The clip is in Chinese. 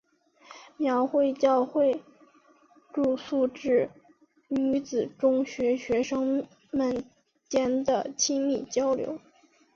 描写教会住宿制女子中学学生们间的亲密交流。